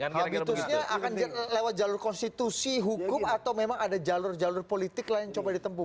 habitusnya akan lewat jalur konstitusi hukum atau memang ada jalur jalur politik lain yang coba ditempuh